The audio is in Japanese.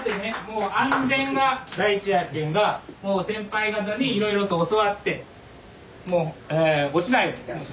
もう安全が第一やけんがもう先輩方にいろいろと教わってもう落ちないようにして。